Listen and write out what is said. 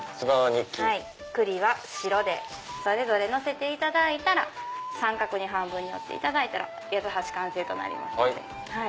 栗は白でそれぞれのせていただいたら三角に半分に折っていただいたら八つ橋完成となります。